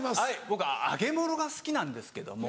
僕揚げ物が好きなんですけども。